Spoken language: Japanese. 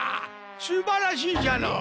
すばらしいじゃろう！